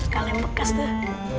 kalem bekas tuh